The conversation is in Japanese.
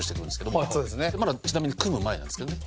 まだちなみに組む前なんですけどね。